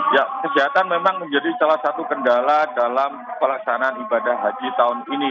ya kesehatan memang menjadi salah satu kendala dalam pelaksanaan ibadah haji tahun ini